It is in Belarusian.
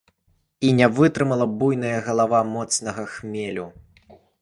І не вытрымала буйная галава моцнага хмелю.